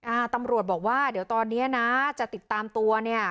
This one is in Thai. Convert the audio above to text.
อ่าตำรวจบอกว่าเดี๋ยวตอนเนี้ยนะจะติดตามตัวเนี่ย